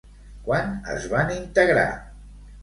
Quan es van integrar?